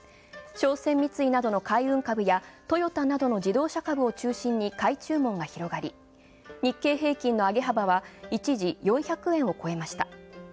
商船三井などの海運株やトヨタなどの自動車株を中心に買い注文が広がり、日経平均の上げ幅は、一時４００円を超えました。